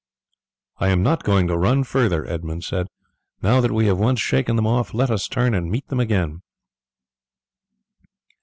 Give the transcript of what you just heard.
"I am not going to run further," Edmund said. "Now that we have once shaken them off, let us turn and meet them again."